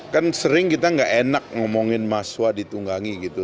kan sering kita gak enak ngomongin mahasiswa ditunggangi gitu